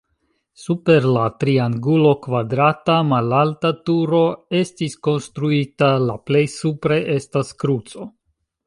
Super la triangulo kvadrata malalta turo estis konstruita, la plej supre estas kruco.